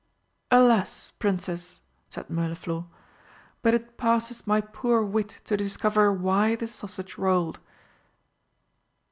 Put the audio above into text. "Alas, Princess!" said Mirliflor, "but it passes my poor wit to discover why the sausage rolled."